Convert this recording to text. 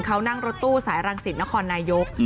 เขานั่งรถตู้สายรังสิตนครนายก